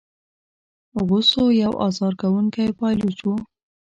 غوثو یو آزار کوونکی پایلوچ وو.